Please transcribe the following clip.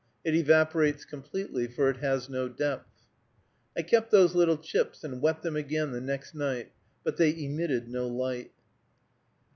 It evaporates completely, for it has no depth. I kept those little chips and wet them again the next night, but they emitted no light.